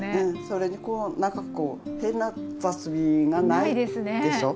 それにこうなんかこう変な雑味がないでしょ。